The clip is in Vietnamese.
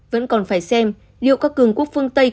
vẫn còn phải xem liệu các cường quốc phương tây